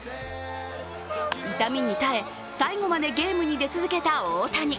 痛みに耐え、最後までゲームに出続けた大谷。